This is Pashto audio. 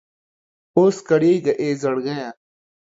اوس کړېږه اې زړګيه!